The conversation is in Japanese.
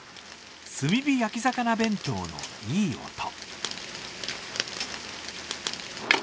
炭火焼き魚弁当のいい音。